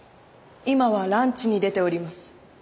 今はランチに出ております。